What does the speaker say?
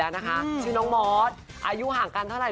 อายูห่างกันเท่าไหร่